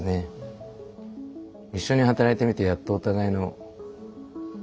一緒に働いてみてやっとお互いの。